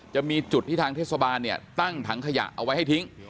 จะมีจุดที่ทางเทศบาลเนี่ยตั้งถังขยะเอาไว้ให้ทิ้ง